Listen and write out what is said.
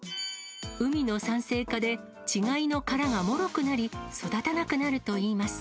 海の酸性化で、稚貝の殻がもろくなり、育たなくなるといいます。